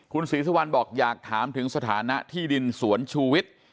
คุณศรีสุวรรณบอกอยากถามถึงสถานะที่ดินสวนชูวิทย์